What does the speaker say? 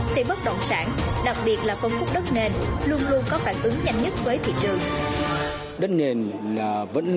thì bất động sản đặc biệt là phân khúc đất nền luôn luôn có phản ứng nhanh nhất với thị trường